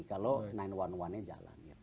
kalau sembilan ratus sebelas nya jalan